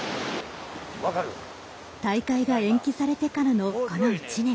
大会が延期されてからのこの１年。